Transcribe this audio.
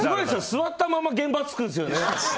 座ったままで現場に着くんですよ。